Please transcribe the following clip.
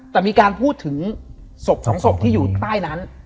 แต่มีการพูดถึงศพสองศพที่อยู่ใต้นั้น